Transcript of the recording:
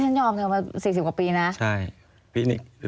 นี่ฉันยอมเธอมา๔๐กว่าปีนะ